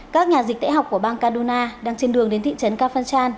các nhà dịch tễ học của bang kaduna đang trên đường đến thị trấn kafachan